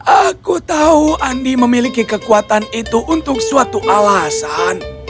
aku tahu andi memiliki kekuatan itu untuk suatu alasan